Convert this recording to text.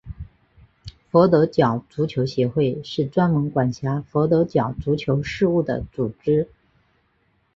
佛得角足球协会是专门管辖佛得角足球事务的组织。